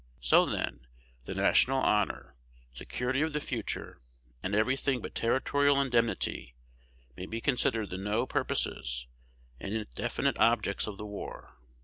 So, then, the national honor, security of the future, and every thing but territorial indemnity, may be considered the no purposes and indefinite objects of the war!